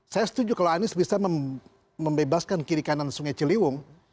saya setuju kalau anies bisa membebaskan kiri kanan sungai ciliwung